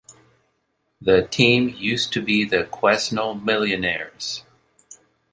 The team used to be the Quesnel Millionaires.